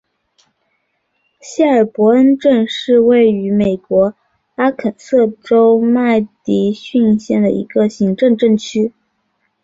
希尔伯恩镇区是位于美国阿肯色州麦迪逊县的一个行政镇区。